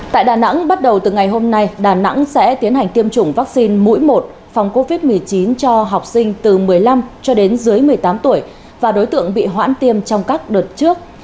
tại đà nẵng bắt đầu từ ngày hôm nay đà nẵng sẽ tiến hành tiêm chủng vắc xin mũi một phòng covid một mươi chín cho học sinh từ một mươi năm một mươi tám tuổi và đối tượng bị hoãn tiêm trong các đợt trước